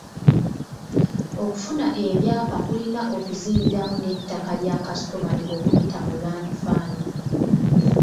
Okufuna ebyapa kulina okuzingiramu n’ettaka lya customary okuyita mu land fund.